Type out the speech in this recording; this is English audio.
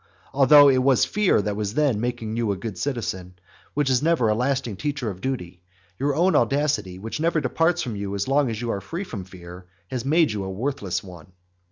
Although it was fear that was then making you a good citizen, which is never a lasting teacher of duty; your own audacity, which never departs from you as long as you are free from fear, has made you a worthless one.